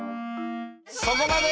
そこまで！